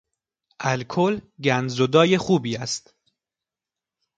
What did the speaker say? الکل گندزدای خوبی است.